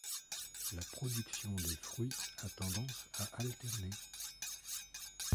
La production des fruits a tendance à alterner.